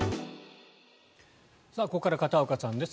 ここから片岡さんです。